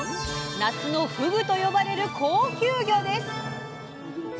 「夏のふぐ」と呼ばれる高級魚です！